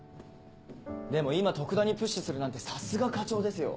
でも今徳田にプッシュするなんてさすが課長ですよ。